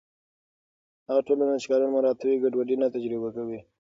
هغه ټولنه چې قانون مراعتوي، ګډوډي نه تجربه کوي.